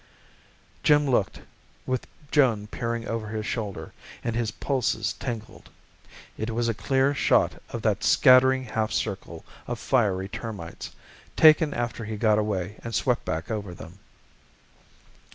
Jim looked, with Joan peering over his shoulder, and his pulses tingled. It was a clear shot of that scattering half circle of fiery termites, taken after he got away and swept back over them.